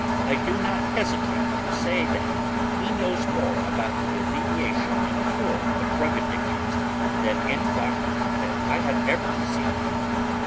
I do not hesitate to say that he knows more about the alleviation and cure of drug addictions than any doctor that I have ever seen.